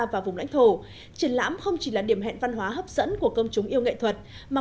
và vùng lãnh thổ triển lãm không chỉ là điểm hẹn văn hóa hấp dẫn của công chúng yêu nghệ thuật mà